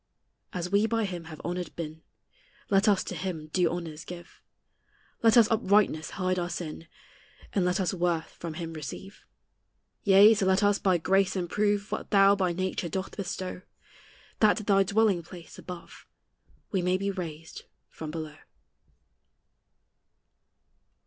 As we by him have honored been, Let us to him due honors give; Let us uprightness hide our sin, And let us worth from him receive. Yea, so let us by grace improve What thou by nature doth bestow, That to thy dwelling place above We may be raised from below.